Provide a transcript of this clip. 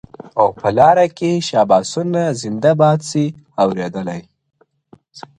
او په لاري کي شاباسونه زنده باد سې اورېدلای,